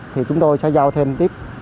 thì chúng tôi sẽ giao thêm tiếp